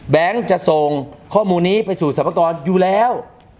จะส่งข้อมูลนี้ไปสู่สรรพากรอยู่แล้ว